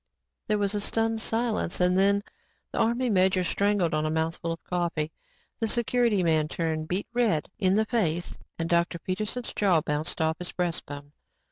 There was a stunned silence and then the Army major strangled on a mouthful of coffee; the security man turned beet red in the face and Dr. Peterson's jaw bounced off his breastbone.